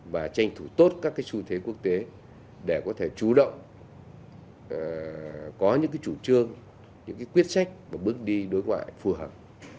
và tranh thủ tốt các xu thế quốc tế để có thể chủ động có những chủ trương những quyết sách và bước đi đối ngoại phù hợp